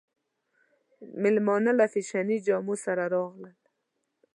مېلمانه له فېشني جامو سره راغلل.